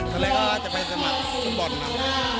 มันเลยก็จะไปสมัครซึ่งบอลนะครับ